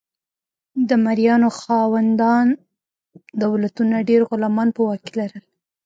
د مرئیانو خاوندان دولتونه ډیر غلامان په واک کې لرل.